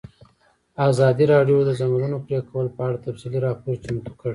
ازادي راډیو د د ځنګلونو پرېکول په اړه تفصیلي راپور چمتو کړی.